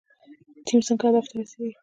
ټیم څنګه هدف ته رسیږي؟